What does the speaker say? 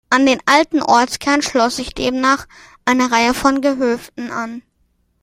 An den alten Ortskern schloss sich demnach eine Reihe von Gehöften an.